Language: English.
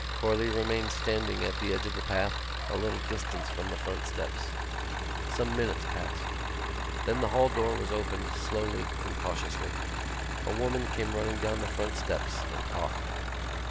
Corley remained standing at the edge of the path, a little distance from the front steps. Some minutes passed. Then the hall door was opened slowly and cautiously. A woman came running down the front steps and coughed.